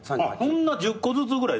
そんな１０個ずつぐらい。